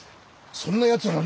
そんなやつら